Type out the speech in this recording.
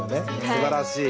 すばらしい！